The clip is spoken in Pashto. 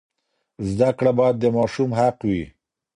زده کړه باید د ماشوم حق وي.